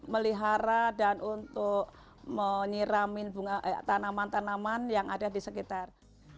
melihara dan untuk menyirami tanaman tanaman yang ada di sekitar